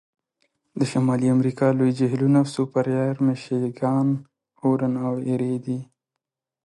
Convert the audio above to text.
د شمالي امریکا لوی جهیلونه سوپریر، میشیګان، هورن او ایري دي.